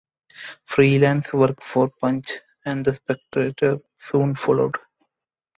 Freelance work for "Punch" and "The Spectator" soon followed.